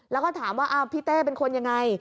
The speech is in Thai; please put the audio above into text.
แล้วก็ถามว่าพี่เต้เป็นคนยังไง